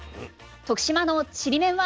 徳島のちりめんは。